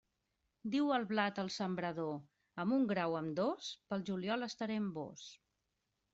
Diu el blat al sembrador: amb un gra o amb dos, pel juliol estaré amb vós.